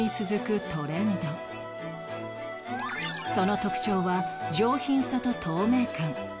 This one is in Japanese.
その特徴は上品さと透明感